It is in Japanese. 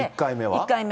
１回目。